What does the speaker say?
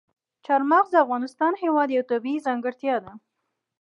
چار مغز د افغانستان هېواد یوه طبیعي ځانګړتیا ده.